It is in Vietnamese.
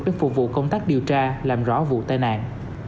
để phục vụ công tác điều tra làm rõ vụ tai nạn